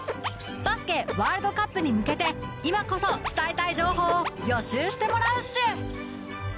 バスケワールドカップに向けて今こそ伝えたい情報を予習してもらうっシュ！